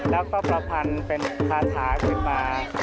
แล้วก็ประพันธ์เป็นคาถาขึ้นมา